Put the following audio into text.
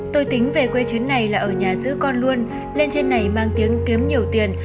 tôi tính về quê chuyến này là ở nhà giữ con luôn lên trên này mang tiếng kiếm kiếm nhiều tiền